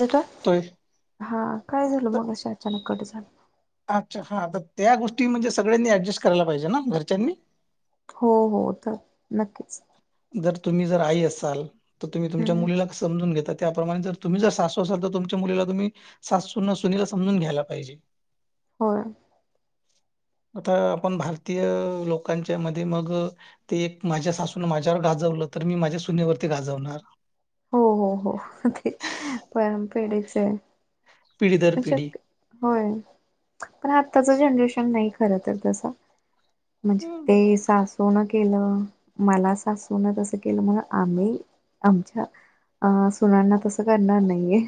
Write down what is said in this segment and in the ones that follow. [unintelligible] तोय हा काय झालं तर मग असे अचानक कट झालं? अच्छा हा तर त्या गोष्टी म्हणजे सगळ्यांनी ऍडजस्ट करायला पाहिजे ना घरच्यांनी? हो हो तर नक्कीच. जर तुम्ही जर आई असाल तर तुम्ही तुमच्या हम्म मुलीला समजून घेतात त्याप्रमाणे जर तुम्ही जर सासू असाल, तर तुमच्या मुलीला तुम्ही सासू सुना सुनीला समजून घ्यायला पाहिजे होय आता आपण भारतीय लोकांच्या मध्ये मग ते एक माझ्या सासूनं माझ्यावर गाजव तर मी माझ्या सुनेवरती गाजवणार हो हो हो ते पण पेढच आहे पिढी दर पिढी [unintelligible] होय पण आत्ताच जनरेशन नाही खरं तर तसं म्हणजे ते सासूनं केलं मला सासुनं तसं केलं मग आम्ही आमच्या अं सुनाना तसं करणार नाहीये,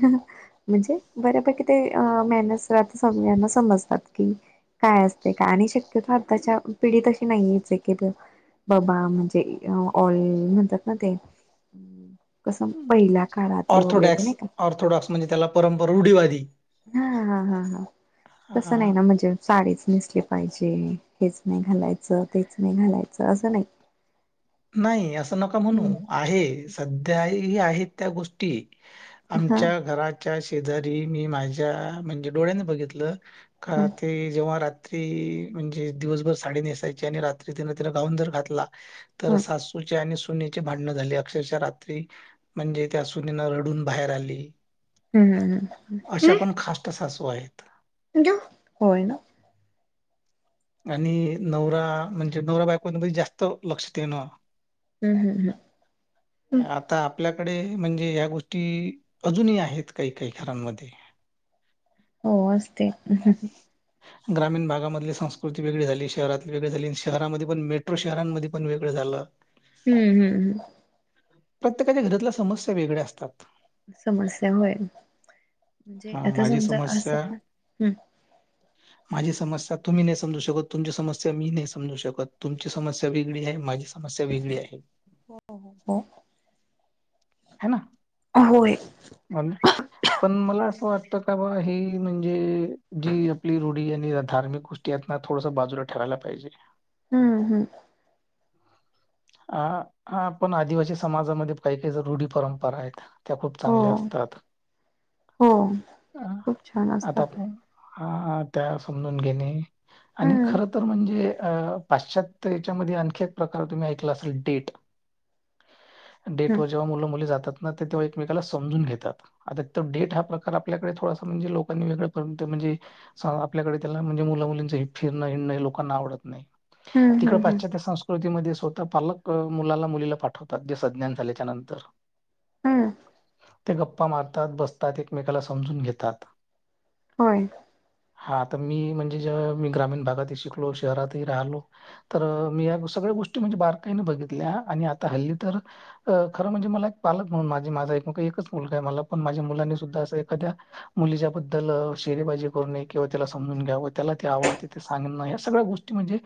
म्हणजे बऱ्यापैकी ते अं मेहनत सत सगळ्यांना समजतात की काय असते का आणि शक्यतो आताच्या पिढी तशी नाहीयच की बाबा म्हणजे ऑल म्हणतात ना ते कसं पहिल्या काळातले वगैरे ऑर्थोडॉक्स नाही का? ऑर्थोडॉक्स म्हणजे त्याला परंपरा रुढीवादी हा हा हा हा तसं हा, नाही ना म्हणजे साडीच नेसले पाहिजे, हेच नाही घालायचं, तेच नाही घालायचं, असं नाही. नाही असं नका म्हणू हम्म आहे सध्याही आहेत त्या गोष्टी हा आमच्या घराच्या शेजारी मी माझ्या म्हणजे डोळ्याने बघितलं ह का ते जेव्हा र्री म्हणजे दिवसभर साडी नेसायची आणि रात्री तिन तिन गाऊन जर घातला तर ह सासूची आणि सु सुनीची भांडण झाली अक्षरशः रात्री म्हणजे त्या सुनीन रडून बाहेर आली हम्म अशा पण खास सासू आहेत हम्म होय ना आणि नवरा म्हणजे नवरा बायकवामध्ये जास्त लक्ष दे ना हम्म हम्म हम्म हम् डे म्हणजे या गोष्टी अजूनही आहेत काही काही घरांमध्ये हो असते ग्रामीण भागामधली संस्कृती वेगळी झाली शहरातली वेगळी झाली शहरामध्ये पण मेट्रो शहरांमध्ये पण वेगळं झालं हम्म हम्म हम्म प्रत्येकाच्या घरातल्या समस्या वेगळ्या असतात समस्या होय म्हणजे हा आता माझी समजा समस्या असत ना हम् माझी समस्या तुम्ही नाही समजू शकत तुमची समस्या मी नाही समजू शकत तुमची समस्या वेगळी आहे माझी समस्या वेगळी आहे हो हो ह ना होय वाटत का बा ही म्हणजे जी आपली रूढी आणि धार्मिक गोष्टी थोड बाजू ठेवायला पाहिजे हम्म हम्म हा हा पण आदिवासी समाजामध्ये काही काही रुढी परंपरा आहेत त्या खूप हो चांगल्या असतात हो खूप छान आता असतात आताण हा त्या समजून घेणे आणि हम्म खर तर म्हणजे अ पाश्चात्य याच्यामध्ये आणखी एक प्रकार तुम्ही ऐकला असेल डेट डेट वर हम्म जेव्हा मुल मुली जातात ना तेव्हा एकमेकाला समजून घेतात आता डेट हा प्रकार ल्याकडे थोडासा म्हणजे लोकांनी वेगळर्यंत म्हणे आपल्याकडे त्या म्ह मुलींच फिरण लोकांना आवडत नाही हम्म तिथं हम्म हम्म पाश्चात्य संस्कृती स्वतः पालक मुलाला मुलीला पाठवतात ते सज्ञान झाल्याच्या नंतर हम्म ते गप्पा मारतात बसतात एकमेकाला समजून घेतात होय हा तर मी म्हणजे जे मी ग्रामीण भागात शिकलो शहरातही राहिलो तर मी सगळ ोष्ट म्हण बारका बघितल्या आणि आता हल्ली तर खर म्हणजे मला पालक म्हणून माझे माझा एकच मुलगा आहे मला पण माझ्या मुलांनी सुद्धा असं एखाद्या मुलीच्याबद्दल शेरबाजी करून न किंवा त्याला समजून घ्यावं त्याला आवडते ते सांगणं या सगळ्या गोष्टी म्हणजे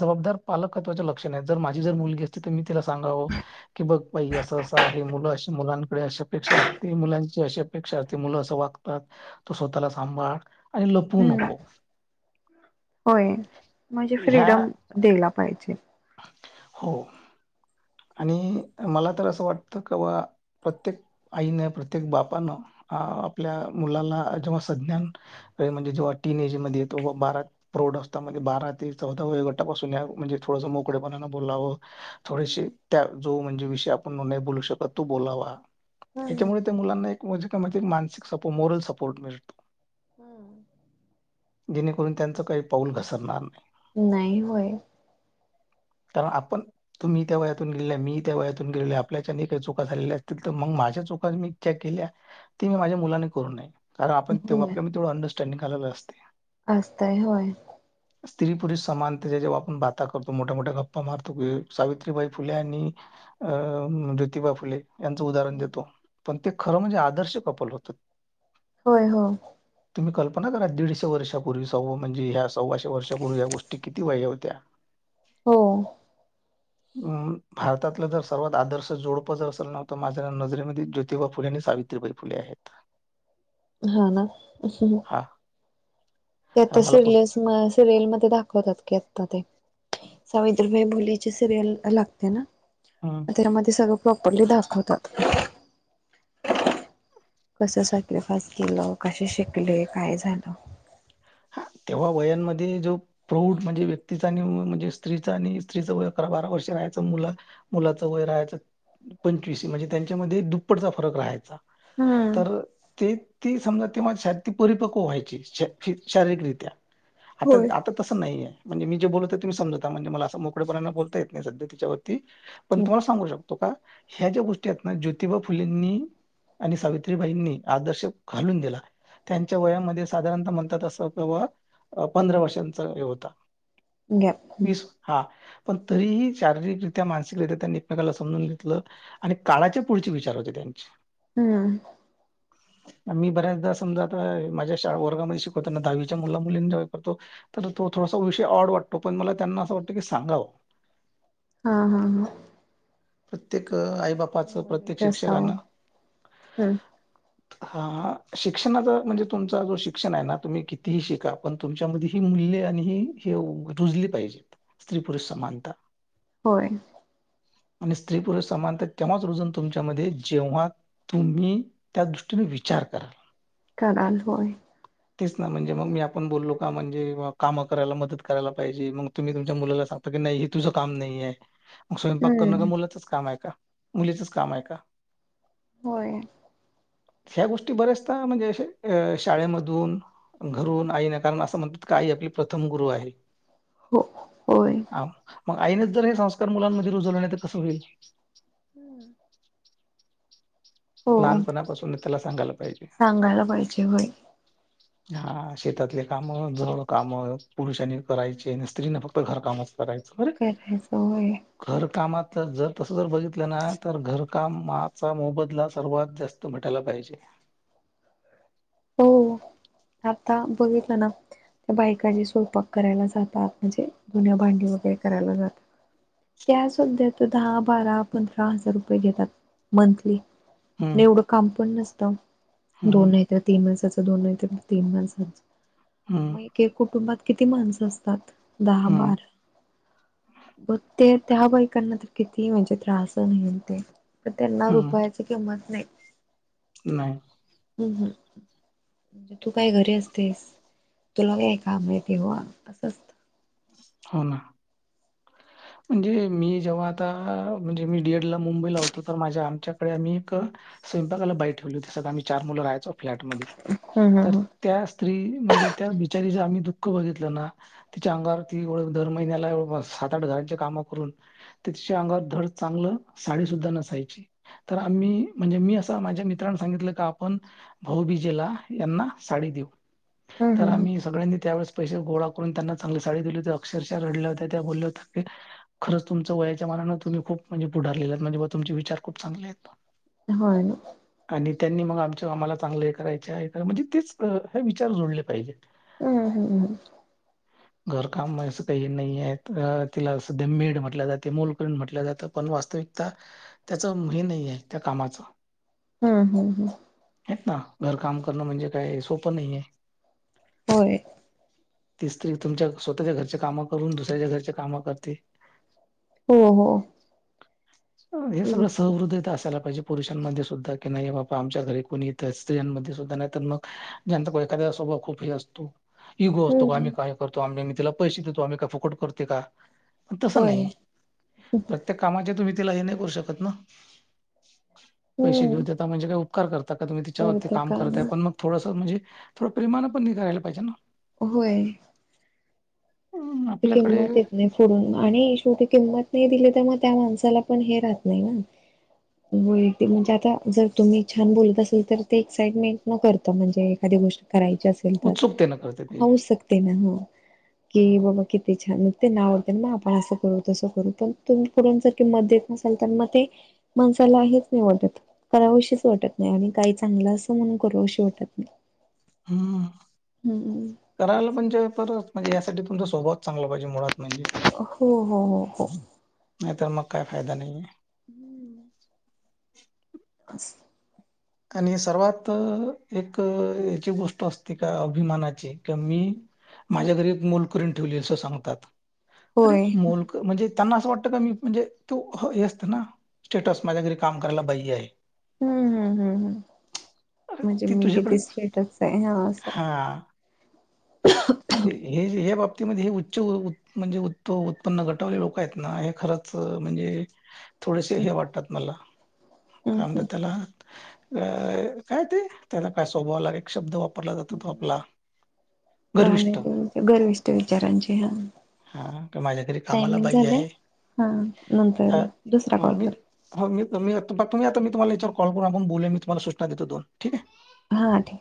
जबदार पालक महवा लक्षण आहे जर माझी जर मुलगी असते तर मी तला सांगावं की बघ बाई असं असं आहे मु मु मुलांकडे अशी अपेक्षा अस मुलांची अशी अपेक्षा असते मुलं असं वागतात तो स्वतःला सांभाळ लपू हम्म नको होय म्हणजे ह्या फ्रीडम द्यायला पाहिजे हो आणि मला तर असं वाटतं क बा प्रत्येक आईनं प्रत्येक बापानं अ आपल्या मुलाला जेव्हा संज्ञान म्हणजे जेव्हा टीन एज मध्ये ते्हा बारा प्रौढ असता म्हणे बारा ते चौदा व गटापासून या म्हणजे थोडस मोकळेपणान बोलावं थोडीशी हम्म त्या जो म्हणजे विषय आपण नाही बोलू शकत तो बोलावा हम्म याच्यामुळे त्या मुलांना एक म्हजे का माणे मानसिक सपोर् मोरल सपोर्ट मिळतो हम्म जेणेकरून त्यांचं काही पाऊल घसरणार नाही नाही होय कारण आपण तुम्ही त्या वयातून गेले मी त्या वयातून गेलेलो आहे आपल्याच्याने काही चुका झालेल्या असतील तर मग माझ्या. चुका मी केल्या ते मी माझ्या मुलाने करू नये. कारण आपण तेव्हा होय आपल्यामध्ये तेवढं अंडरस्टँडिंग आलेलं असते. असतय होय. स्त्री पुरुष समानते जेवू आपण. करतो मोठा मोठ्या गप्पा मारतो की सावित्रीबाई फुले आणि अ ज्योतिबा फुले. यांचं उदाहरण देतो पण ते खरं म्हणजे आदर्श कपल होतं. होय हो. तुम्ही कल्पना करा दीडशेर्षापूर्वी सव्वा म्हणजे ह्या सव्वाशे वर्षापूर्वी या या गोष्टी किती वेगळ्या होत्या. हो. [unintelligible] भारतातलं जर सर्वात आदर्श जोडपं जर असेल नव्ह तर माझ्या नजरमध्ये ज्योतिबा फुलेनी सावित बाई फुले आहेत. हा ना असं. हां, ते आता हां मला पुस सिरियल सिरियलमध्येध्ये दाखवतात की आता ते. सावित्रीबाई बोलीचे सिरियल लागते ना. हं. तेरा मध्ये सगळं प्रॉपरली दाखवतात‌. कसं सॅक्रिफाइस केलं कसे शिकले काय झालं. हा. तेव्हा वयांमध्ये जो प्रौढ म्हणजे व्यक्तीचा आणि म्हणजे स्त्रीचा आणि स्त्रीचा वय अकरा बारा वर्ष रा. यचं मुलाच वय राहायच पंचवीस म्हणजे त्यांच्यामध्ये दुप्पटचा फरक राहायचा. हम्म तर ते ते समजा तेव्हा [unintelligible] परिपक्व व्हायची. शारीरिकरीत्या आता होय आता तसं नाही आहे. म्हणजे मी जे बोलतते तुम्ही समजता म्हणजे मी जे बोलतोय तुम्ही समजता अस मोकळेपणाने बोलता येत नाही सध्या त्याच्यावरती पण तुम्हाला सांगू शकतो. त का ह्या ज्या गोष्टी आहेत ना ज्योतिबा फुलेंनी. आणि सावित्रीबाईंनी आदर्श घालून दिला त्यांच्या वयामध्ये साधारणतः म्हणतात अस. पंधरा वर्षांचा हे होत घ्या. वीस हा. पण तरीही शारीरिकरित्या मानसिकरित्या त्यांनी एकमेकाला समजून घेतलं आणि काळाचे पुढचे विचार होते त्यांचे. हम. मी बऱ्याचदा समजा आता माझ्या शाळा वर्गामध्ये शिक त्यांना दहावीच्या मुला मुलींच्या करतो तर तो थोडासा विषय ऑड वाटतो पण मला त्यांना असं वाटतं की सांगावं. [inaudible] हा हा हा. प्रत्येक आई बापाचं प्रत्येक नॉलेज शिक्षकांन. असावं हम्म हा शिक्षणाचा म्हणजे तुमचा जो शिक्षण आहे ना. तुम्ही कितीही शिका पण तुमच्या मध्ये ही मूल्य आणि हि हे रुजली पाहिजेत स्त्री पुरुष समा मानता. होय. आणि स्त्री पुरुष समानतात तेव्हाच रुजून तुमच्यामध्ये जेव्हा. तुम्ही त्या दृष्टीने विचार कराल. कराल होय. तेच ना म्हणजे मग मी आपण बोललो का म्हणजे काम करायला मदत करायला पाहिजे मग तुम्ही तुमच्या मुलाला सांत नाही तुझं काम नाही आहे. मग स्वयंपाक करणं का हम्म मुलाचच काम आहे का मुलीचच काम आहे का. होय. ह्या गोष्टी बऱ्याचदा म्हणजे अ शाळेमधून. घरून आई नाही कारण असं म्हणतात की आई आपली प्रथम गुरु आहे. हो होय. हा मग आईनेच जर हे संस्कार मुलांमध्ये रुजवले नाही तर कसं होईल? हम्म. हो लहान पणापासून त्याला सांगायला पाहिजे सांगायला पाहिजे होय हा शेतातले काम जड काम पुरुषांनी करायचे स्त्रीनीं फक्त घरकामच करायच बरं करायचं होय घर कामात तर जर तसं जर बघितलं ना तर घरकामाचा मोबदला सर्वात जास्त भेटायला पाहिजे. [inaudible] हो आता बघितलं ना त्या बायकांनी स्वयंपाक करायला जातात म्हणजे धुन्या भांडी वगैरे करायला जातात त्या सुध्या तर दहा बारा पंधरा हजार रुपये घेतात मंथली. आणि हम्म एवढं काम पण नसतं हम्म दोन तर तीन माणसाच दोन नाही तीन माणसाच हम्म मग एक एक कुटुंबात कीती. किती माणसं असतात दहा हम्म बार पन ते त्या बायकांना तर किती म्हणजे त्रास नाही ते न त्यांना हम्म रुपयाची किंमत नाही. नाही हम्म हम् तु काय घरी असतेस तुला काय काम आहे तेव्हा असं असतं हो ना. म्हणजे मी जेव्हा आता म्हणजे मी डीएडला मुंबईला होतो तर माझ्या आमच्याकडे आम्ही एक स्वयंपाकाला बाई ठेवली होतीस आम्ही चार मुलं राहायचो फ्लॅट मधे हम् तर हम त्या स्त्री म्हणजे त्या बिचारीच आम्ही दुःख बघितलं ना तिच्या अंगावर ती वर दर महिन्याला बाबा सात आठ हा काम करुन तीच्या अगांवर धड चांगल साड़ी नसायची तर आम्ही मी असं माझ्या मित्रांला सांगितलं का आपण भाऊबीजेला यांना साडी देऊ. हम हम् हम तर हम आम्ही सगळ्यांनी त्यावेळेस पैसे गोळा करून त्यांना चांगली साडी दिली होती अक्षरशा रडल्या होत्या बोलल्या होत्या खरंच तुमचं वयाच्या मनानं तुम्ही खुप म्हणजे पुढ आलेले आहात म्हणजे तुमचे विचार खूप चांगले आहेत. होय. आणि त्यांनी मग आमच्या आम्हाला चांगलं हे करायचे आहेत म्हणजे तेच विचार जोडले पाहिजे हुम्म हुम्म ह घर काम आस काही नाही आहे तर तिला सध्या मेड म्हटलं जाते मोल करून म्हटलं जातं पण वास्तविकता त्याच हे नाही आहे त्या का कामाच हुम्म हुम्म हा घर काम करणं म्हणजे काय सोपं नाहीेये होय. स्त्री तुमच्या स्वतःच्या घरच्या काम करून दुसऱ्याच्या घरच्या काम करते. हो हो. हे सगळं भरपूर सहृद असायला पाहिजे पुरुषांमध्ये सुद्धा की नाही बाबा आमच्या घरी कुणी स्त्रिंमध्ये सुद्धा नाही तर मग ज्यां एखाद्या खूप हे असतो इगो असतो का हम्म आम्ही काय करतो आम्ही आ तिला पैसे देतो आम्ही काही फुकट करते का? तसं होय नाही प्रत्येक कामाचे तुम्ही तिला हे नाही करू शकत ना. पैसे घेऊ हम्म देता म्हणजे काय उपकार करता का तुम्ही तिच्यावरती करत काम का करतय ना पण मग थोडस म्हणजे थोडं प्रेमान पण नि घायला पाहिजे ना. होय. हु आपल्याकडे हो आणि शेवटी किंमत नाही दिली तर मग त्या माणसाला पण हे राहत नाही ना. होय ते म्हणजे आता जर तुम्ही छान बोलत असाल तर ते एक्साइटमेंट न करता म्हणजे एखाददी गोष्टी करायची असेल तर उत्सुकतेनं करते ते. हाउस शकते ना ह हा. की बा छान मग ते नावते मग आपण असं करू तसं करू पण तुम पुढुन किंमत देतेत देते नसाल तर मग ते माणसाला हेच नाही वाटत करावं राहु शी वाटत नाही आणि काही चांगलं असं म्हणून करू अशी वाटत नाही. [inaudible] हुम्म हम्म. करायला पण जे पर म्हणजे यासाठी तुमचा स्वभावाच चांगला पाहिजे मुळात. म्हणजे हो हो हो हो नाही तरर मग काय फायदा नाहीे हम्म ह असं. आणि सर्वात एक याची गोष्ट असते का अभिमानाची कि मी माझ्या घरी मोलकरीन ठेवली अस सांगतात अरे होय मोल म्हणजे त्यांना असं वाटतं का मी म्हणजे तो हे असतं ना स्टेटस माझ्या घरी काम करायला बाई्य आहे हम्म हम्म हम् हम् अरे म्हणजे ती मी तुझ्याकडे किती सेटच आहे हा असं हा म्हणजे हे हे बाप् ते म्हणजे उच्च म्हणजे उत्पन्न गटावले लोक आहेत ना हे खरंच म्हणजे थोडेसे हम्म हे वाटतात मला का हम्म तर त्याला अ काय ते त्यांना काय स्वभाव लागे शब्द वापरला जातो तो हम्म. आपला गर्विष्ठ गाण्या गरविष्ट विचारांचे हा हा माझ्या तरी कामाला टायमिंग बाई झालंय आहे हा अ, नंतर दुसरा हा कॉल मी कर हो मी मी आता तुम्ही आता मी तुम्हाला याच्यावर कॉल करून आपण बोलूया आणि मी तूम्हाला सूचना देतो दोन ठीक आहे. हा ठीक